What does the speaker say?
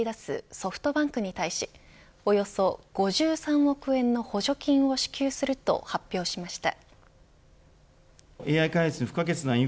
ソフトバンクに対しおよそ５３億円の補助金を支給すると発表しました。